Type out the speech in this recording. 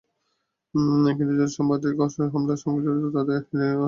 কিন্তু যারা সাম্প্রদায়িক হামলার সঙ্গে জড়িত, তাদের বিরুদ্ধে কোনো কথা বললেন না।